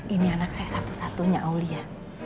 ini anak saya satu satunya aulia